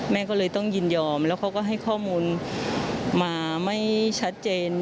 แม่ก็เลยต้องยินยอมแล้วเขาก็ให้ข้อมูลมาไม่ชัดเจน